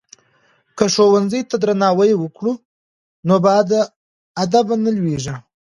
که ښوونکي ته درناوی وکړو نو بې ادبه نه لویږو.